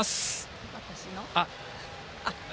私の？